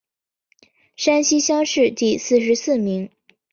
山西乡试第四十四名。